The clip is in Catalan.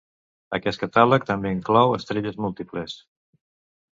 Aquest catàleg també inclou estrelles múltiples.